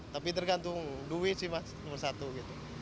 tapi tergantung duit sih mas bersatu gitu